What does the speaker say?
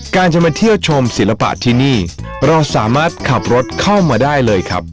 จะมาเที่ยวชมศิลปะที่นี่เราสามารถขับรถเข้ามาได้เลยครับ